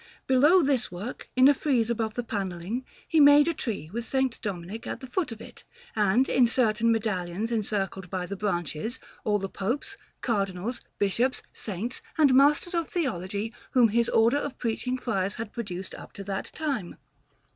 Below this work, in a frieze above the panelling, he made a tree with S. Dominic at the foot of it, and, in certain medallions encircled by the branches, all the Popes, Cardinals, Bishops, Saints, and Masters of Theology whom his Order of Preaching Friars had produced up to that time.